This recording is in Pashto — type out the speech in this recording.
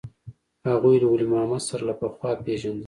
هغوى له ولي محمد سره له پخوا پېژندل.